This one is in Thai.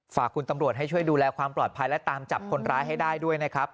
ฝากคุณตำรวจให้ช่วยดูแลความปลอดภัยและตามจับคนร้ายให้ได้ด้วยนะครับ